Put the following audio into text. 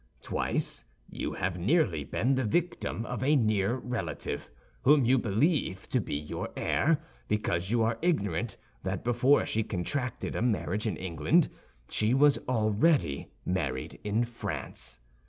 Twice you have nearly been the victim of a near relative, whom you believe to be your heir because you are ignorant that before she contracted a marriage in England she was already married in France.